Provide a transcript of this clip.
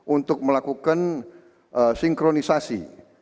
untuk melakukan sinkronisasi